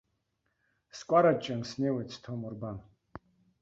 Скәараҷҷан снеиуеит, сҭоумырбан.